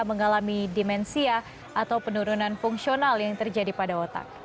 mengalami demensia atau penurunan fungsional yang terjadi pada otak